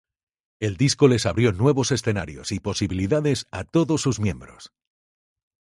El disco les abrió nuevos escenarios y posibilidades a todos sus miembros.